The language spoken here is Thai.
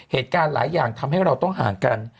เหตุการณ์หลายอย่างทำให้เราต้องห่างกัน